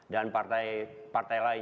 dan partai partai lain